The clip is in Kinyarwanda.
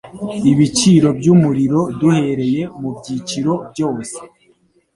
ibiciro by' umurimo duhereye mu byiciro byose